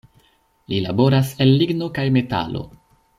Li laboras el ligno kaj metalo.